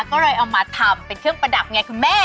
ก็เลยเอามาทำเป็นเครื่องประดับไงคุณแม่